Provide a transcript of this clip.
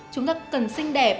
chúng ta cần xinh đẹp